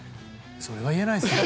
それは言えないですね。